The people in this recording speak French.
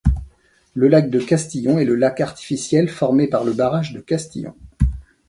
Le lac de Castillon est le lac artificiel formé par le barrage de Castillon.